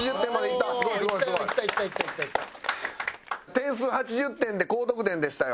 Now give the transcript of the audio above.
点数８０点で高得点でしたよ。